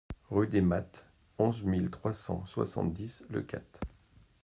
Rue des Mattes, onze mille trois cent soixante-dix Leucate